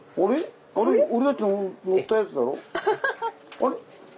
あれ？